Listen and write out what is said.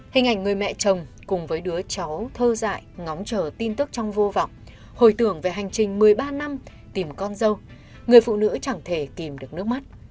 hình ảnh người mẹ chồng cùng với đứa cháu thơ dại ngóng chờ tin tức trong vô vọng hồi tưởng về hành trình một mươi ba năm tìm con dâu người phụ nữ chẳng thể tìm được nước mắt